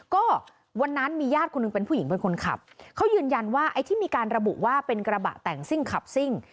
ก็วันนั้นมีญาติคนหนึ่งเป็นผู้หญิงเป็นคนขับเขายืนยันว่าไอ้ที่มีการระบุว่าเป็นกระบะแต่งซิ่งขับซิ่ง